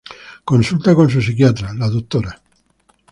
Consulta con su psiquiatra, la Dra.